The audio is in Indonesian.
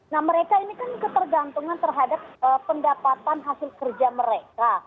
nah mereka ini kan ketergantungan terhadap pendapatan hasil kerja mereka